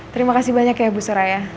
terima kasih banyak ya bu suraya